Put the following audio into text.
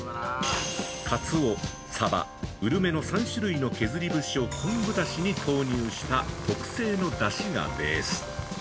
カツオ、サバ、ウルメの３種類の削り節を昆布だしに投入した特製のだしがベース。